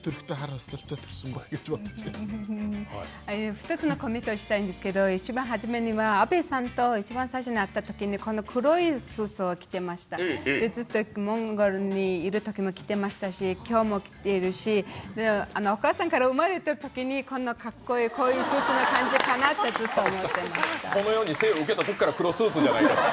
２つのコメントをしたんですけど一番始めには、阿部さんと一番最初に会ったときに、この黒いスーツを着てましたモンゴルにいるときも着てましたし、今日も着てるしお母さんから生まれたときにこんなかっこいい、こんなすてきな格好だったのかなとこの世に生を受けたときから黒スーツじゃないかと。